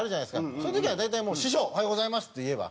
そういう時は大体もう「師匠！おはようございます」って言えば。